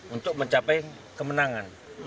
untuk mencapai kemenangan